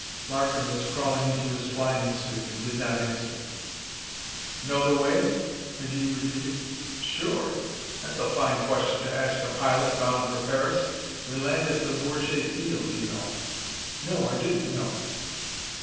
Larkin was crawling into his flying suit and did not answer. "Know the way?" McGee repeated. "Sure. That's a fine question to ask a pilot bound for Paris. We land at Le Bourget field, you know." "No, I didn't know."